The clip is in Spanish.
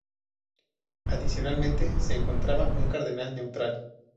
Adicionalmente se encontraba un cardenal neutral.